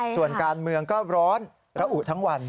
ส่วนการเมืองก็ร้อนระอุทั้งวัน